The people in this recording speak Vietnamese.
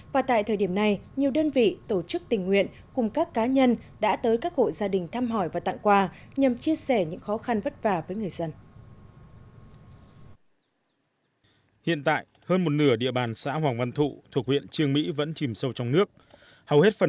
và tại thời điểm này nhiều đơn vị tổ chức tình nguyện cùng các cá nhân đã tới các hộ gia đình thăm hỏi và tặng quà nhằm chia sẻ những khó khăn vất vả với người dân